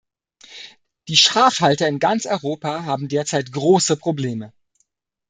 Die Schafhalter in ganz Europa haben derzeit große Probleme.